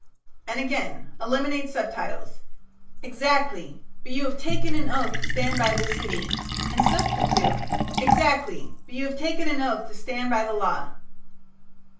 '" And again: "Eliminate subtitle: 'Exactly but you have taken an oath to stand by this city,' and substitute: 'Exactly, but you have taken an oath to stand by the law.'"